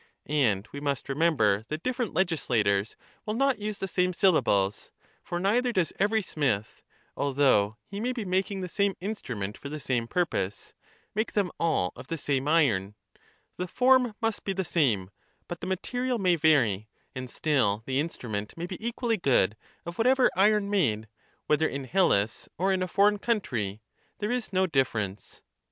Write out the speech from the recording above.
And we must remember that different legislators will not use the same syllables. For neither does every smith, although he may be making the same instrument for the same purpose, make them all of the same iron. The is determined by the user. ^^^ \oM' "^^^^^^^^^^ language. 331 ' form must be the same, but the material may vary, and still Cratyius. the instrument may be equally good of whatever iron made, Socrates, 0 whether in Hellas or in a foreign country; — there is no ^^^^° difference.